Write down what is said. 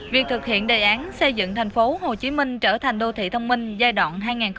việc thực hiện đề án xây dựng thành phố hồ chí minh trở thành đô thị thông minh giai đoạn hai nghìn một mươi bảy hai nghìn hai mươi